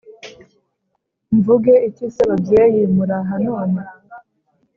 mvuge iki se babyeyi muraha none